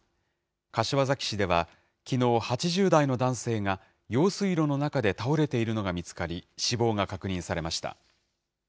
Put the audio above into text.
柏崎市ではきのう、８０代の男性が、用水路の中で倒れているのが見つかり、死亡が確認されました。